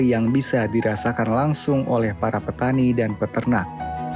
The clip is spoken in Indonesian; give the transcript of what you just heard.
yang bisa dirasakan langsung oleh para petani dan peternak